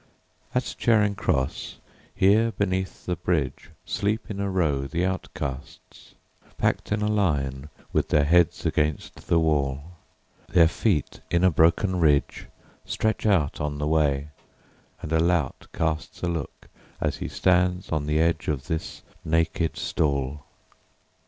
At Charing Cross, here, beneath the bridgeSleep in a row the outcasts, Packed in a line with their heads against the wall. Their feet, in a broken ridgeStretch out on the way, and a lout castsA look as he stands on the edge of this naked stall.